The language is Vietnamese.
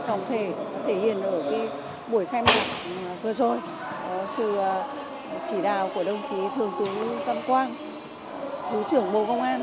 trong thể hiện ở buổi khai mạch vừa rồi sự chỉ đào của đồng chí thường tứ tâm quang thứ trưởng bộ công an